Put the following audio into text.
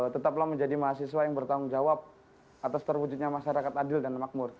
tetaplah menjadi mahasiswa yang bertanggung jawab atas terwujudnya masyarakat adil dan makmur